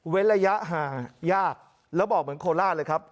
ระยะห่างยากแล้วบอกเหมือนโคลาสเลยครับ